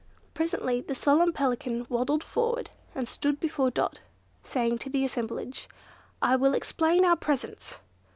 Presently the solemn Pelican waddled forward and stood before Dot, saying to the assemblage, "I will explain our presence."